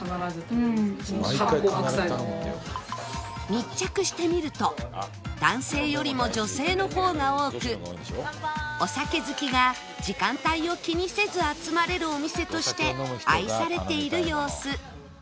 密着してみると男性よりも女性の方が多くお酒好きが時間帯を気にせず集まれるお店として愛されている様子